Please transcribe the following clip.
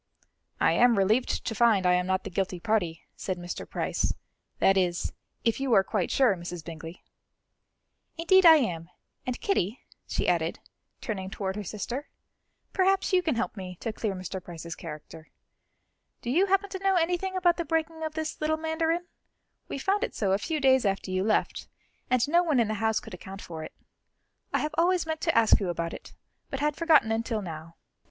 "I am relieved to find I am not the guilty party," said Mr. Price; "that is, if you are quite sure, Mrs. Bingley." "Indeed I am; and Kitty," she added, turning toward her sister, "perhaps you can help me to clear Mr. Price's character. Do you happen to know anything about the breaking of this little mandarin? We found it so a few days after you left, and no one in the house could account for it. I have always meant to ask you about it, but had forgotten until now."